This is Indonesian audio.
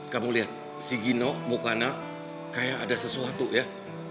kamu lihat si gino mukana kayak ada sesuatu ya